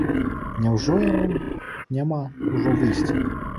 Няўжо яму няма ўжо выйсця?